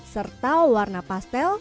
serta warna pastel